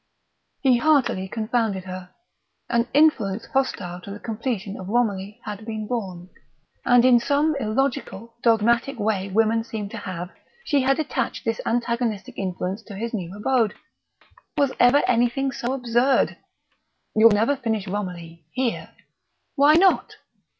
He heartily confounded her. An influence hostile to the completion of Romilly had been born. And in some illogical, dogmatic way women seem to have, she had attached this antagonistic influence to his new abode. Was ever anything so absurd! "You'll never finish Romilly here." ... Why not?